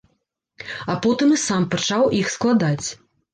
А потым і сам пачаў іх складаць.